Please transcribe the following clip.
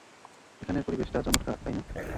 এখানের পরিবেশটা চমৎকার, তাই না?